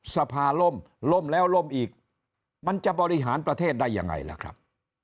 สภาล่มล่มแล้วล่มอีกมันจะบริหารประเทศได้ยังไงล่ะครับ